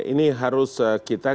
ini harus kita